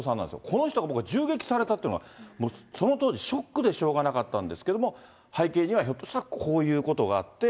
この人が僕は銃撃されたというのは、その当時、ショックでしょうがなかったんですけども、背景には、ひょっとしたらこういうことがあって。